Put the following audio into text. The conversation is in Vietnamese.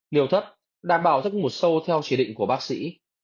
liều thấp đảm bảo thức một sâu theo chỉ định của bác sĩ